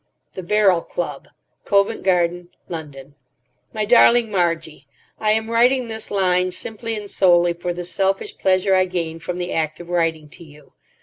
The Barrel Club, Covent Garden, London. MY DARLING MARGIE,—I am writing this line simply and solely for the selfish pleasure I gain from the act of writing to you.